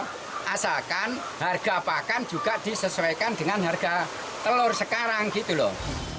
asalkan harga pakan juga disesuaikan dengan harga telur sekarang gitu loh